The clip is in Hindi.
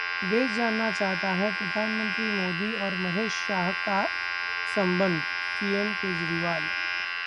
देश जानना चाहता है प्रधानमंत्री मोदी और महेश शाह का संबंध: सीएम केजरीवाल